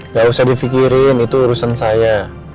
nggak usah dipikirin itu urusan saya